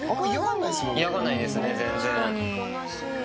嫌がんないですね、全然。